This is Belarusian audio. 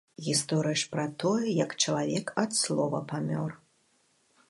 Гісторыя ж пра тое, як чалавек ад слова памёр!